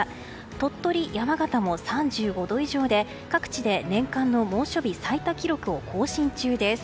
鳥取、山形も３５度以上で各地で年間の猛暑日最多記録を更新中です。